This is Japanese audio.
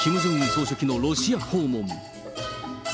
総書記のロシア訪問。